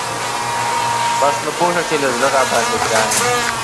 بس نو پوه شه چې له زړه راباندی ګران یي .